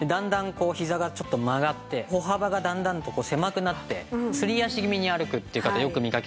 こうひざがちょっと曲がって歩幅がだんだんと狭くなってすり足気味に歩くって方よく見かけると思います。